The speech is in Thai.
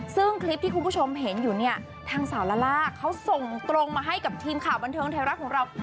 ซึ่งคลิปที่คุณผู้ชมเห็นอยู่เนี่ยทางสาวลาล่าเขาส่งตรงมาให้กับทีมข่าวบันเทิงไทยรัฐของเรา